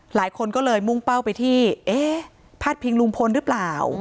หลายคนก็เลยมุ่งเป้าไปที่เอ๊ะพาดพิงลุงพลหรือเปล่า